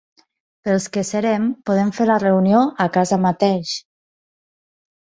Pels que serem, podem fer la reunió a casa mateix.